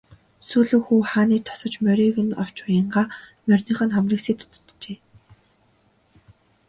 Сүүлэн хүү хааны тосож морийг нь авч уянгаа мориных нь хамрыг сэт татжээ.